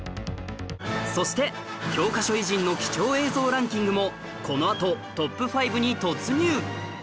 そして教科書偉人の貴重映像ランキングもこのあとトップ５に突入